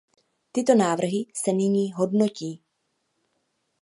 Tyto návrhy se nyní hodnotí.